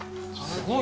すごい。